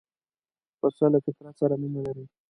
پسه له فطرت سره مینه لري.